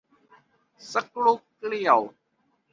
สกรูเกลียว